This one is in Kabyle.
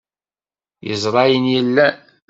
Yeẓra ayen yellan.